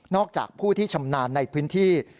จากผู้ที่ชำนาญในพื้นที่